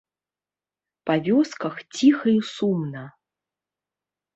Па вёсках ціха і сумна.